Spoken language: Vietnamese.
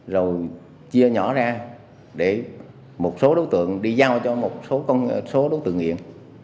rồi chia nhỏ ra để một số đối tượng đi giao cho một số đối tượng nghiện